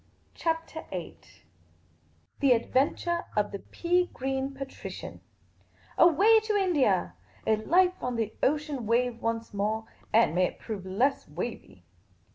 CHAPTER VIII THE ADVENTURE OF THE PEA GREEN PATRICIAN AWAY to India ! A life on the ocean wave once more ; and — may it prove less wavy